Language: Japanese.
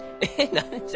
何じゃ？